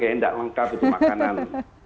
kayak tidak lengkap itu makanan